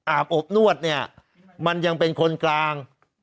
อบนวดเนี่ยมันยังเป็นคนกลาง